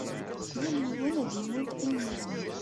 Yal yiwen ad imudd ayen i yezmer.